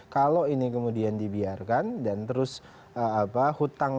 kalau ini kemudian dibiarkan dan terus hutang